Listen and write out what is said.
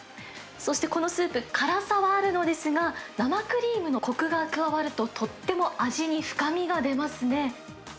そしてこのスープ、辛さはあるのですが、生クリームのこくが加わるととっても味に深みが出ますね。